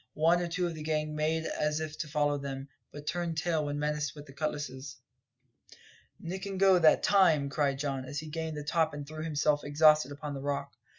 One or two of the gang made as if to follow them, but turned tail when menaced with the cutlasses. "Nick and go that time!" cried Don, as he gained the top and threw himself exhausted upon the rock.